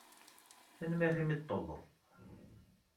Tanemmirt imi ay iyi-tulled.